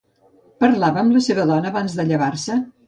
Parlava amb la seva dona abans de llevar-se?